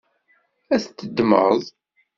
Ad t-teddmeḍ?